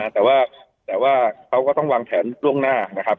แต่ว่าแต่ว่าเขาก็ต้องวังแถมล่วงหน้านะครับ